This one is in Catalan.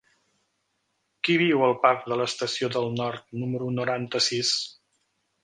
Qui viu al parc de l'Estació del Nord número noranta-sis?